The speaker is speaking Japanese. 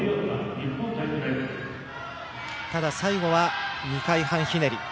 ただ最後は２回半ひねり。